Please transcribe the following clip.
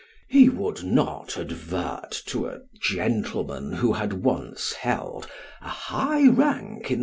He would not advert to a gentleman who had once held a high rank in Nomination.